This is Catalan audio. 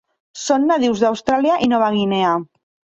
Són nadius d'Austràlia i Nova Guinea.